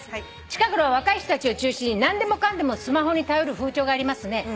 近頃は若い人たちを中心に何でもかんでもスマホに頼る風潮がありますね」